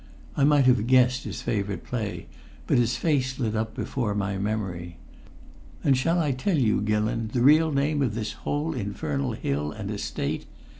I might have guessed his favourite play, but his face lit up before my memory. "And shall I tell you, Gillon, the real name of this whole infernal Hill and Estate?